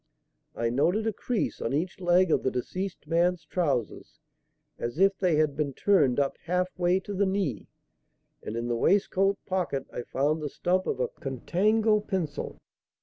I noted a crease on each leg of the deceased man's trousers as if they had been turned up half way to the knee; and in the waistcoat pocket I found the stump of a 'Contango' pencil.